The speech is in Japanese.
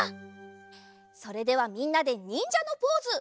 それではみんなでにんじゃのポーズ。